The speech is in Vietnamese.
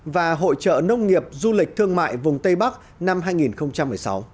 và hội trợ nông nghiệp du lịch thương mại vùng tây bắc năm hai nghìn một mươi sáu